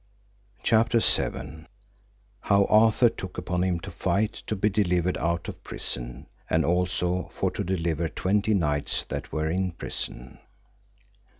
CHAPTER VII. How Arthur took upon him to fight to be delivered out of prison, and also for to deliver twenty knights that were in prison.